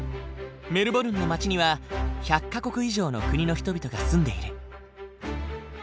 メルボルンの街には１００か国以上の国の人々が住んでいる。